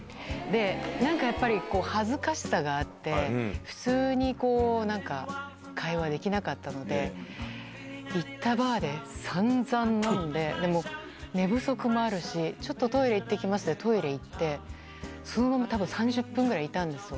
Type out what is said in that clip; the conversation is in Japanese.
なんかやっぱり、恥ずかしさがあって、普通に会話できなかったので、行ったバーで散々飲んで、寝不足もあるし、ちょっとトイレ行ってきますって、トイレ行って、そのままたぶん３０分くらいいたんですよ。